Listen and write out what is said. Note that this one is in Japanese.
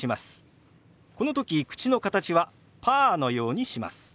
この時口の形はパーのようにします。